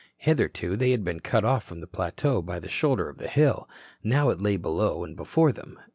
Hitherto, they had been cut off from the plateau by the shoulder of the hill. Now it lay below and before them.